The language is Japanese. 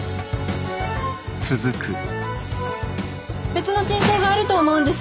別の真相があると思うんです。